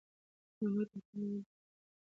نمک د افغانستان د هیوادوالو لپاره ویاړ دی.